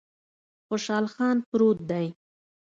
خوشحال خان پروت دی